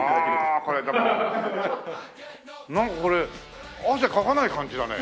なんかこれ汗かかない感じだね。